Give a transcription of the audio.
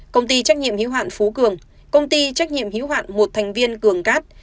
công ty trách nhiệm hữu hạn phú cường công ty trách nhiệm hữu hạn một thành viên cường cát